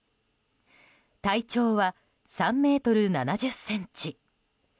体長は３ｍ７０ｃｍ。